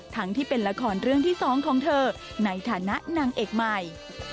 ที่เป็นละครเรื่องที่๒ของเธอในฐานะนางเอกใหม่